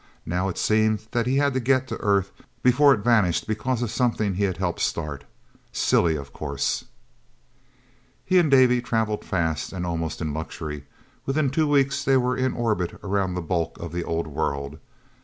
Now it seemed that he had to get to Earth before it vanished because of something he had helped start. Silly, of course... He and Davy travelled fast and almost in luxury. Within two weeks they were in orbit around the bulk of the Old World.